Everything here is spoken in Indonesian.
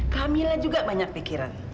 kamilah juga banyak pikiran